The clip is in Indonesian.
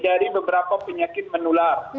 ada penyakit menular